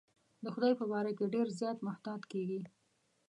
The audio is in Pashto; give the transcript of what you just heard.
د خدای په باره کې ډېر زیات محتاط کېږي.